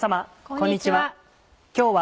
こんにちは。